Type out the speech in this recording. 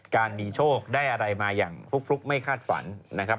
การมีโชคได้อะไรมาอย่างฟลุกไม่คาดฝันนะครับ